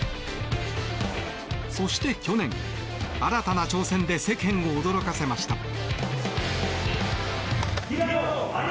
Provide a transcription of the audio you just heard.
そして去年、新たな挑戦で世間を驚かせました。